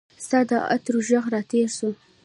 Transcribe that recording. ستا د عطرو ږغ راتیر سو